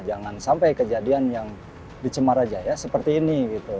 jangan sampai kejadian yang di cemara jaya seperti ini gitu